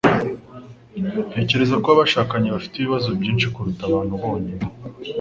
Ntekereza ko abashakanye bafite ibibazo byinshi kuruta abantu bonyine